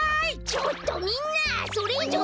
ちょっとみんなそれいじょう